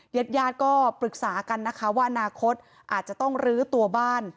ญาติญาติก็ปรึกษากันนะคะว่าอนาคตอาจจะต้องลื้อตัวบ้าน